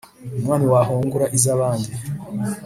umwami wahungura iza bandi